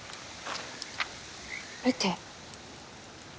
見て。